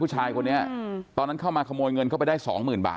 ผู้ชายคนนี้ตอนนั้นเข้ามาขโมยเงินเข้าไปได้สองหมื่นบาท